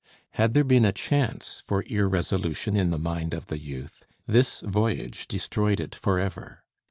Had there been a chance for irresolution in the mind of the youth, this voyage destroyed it forever.